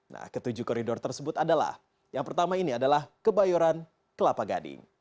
nah ketujuh koridor tersebut adalah yang pertama ini adalah kebayoran kelapa gading